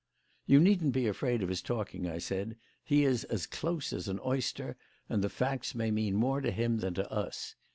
"You needn't be afraid of his talking," I said. "He is as close as an oyster; and the facts may mean more to him than to us.